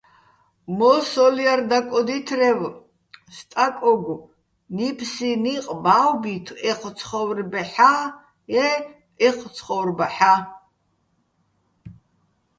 მო́სოლ ჲარ დაკოდითრევ სტაკოგო̆ ნიფსიჼ ნიყ ბა́ვბითო̆ ეჴ ცხო́ვრბაჰ̦ა-ე́ ოჴ ცხო́ვრბაჰ̦ა́.